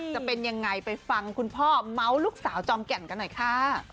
จะเป็นยังไงไปฟังคุณพ่อเมาส์ลูกสาวจอมแก่นกันหน่อยค่ะ